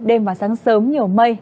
đêm và sáng sớm nhiều mây